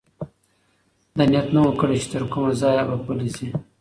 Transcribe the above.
ده نیت نه و کړی چې تر کومه ځایه به پلی ځي.